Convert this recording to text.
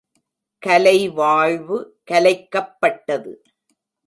கலைவாழ்வு கலைக்கப் பட்டது.